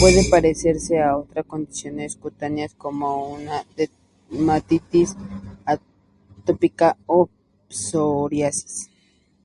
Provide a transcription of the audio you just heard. Puede parecerse a otras condiciones cutáneas como una dermatitis atópica o psoriasis.